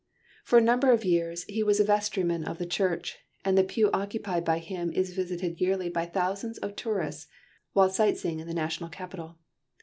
For a number of years he was a vestryman of the church, and the pew occupied by him is visited yearly by thousands of tourists while sight seeing in the national Capitol.